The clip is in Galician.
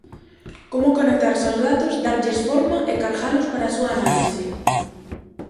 Como conectarse aos datos, darlles forma e cargalos para a súa análise.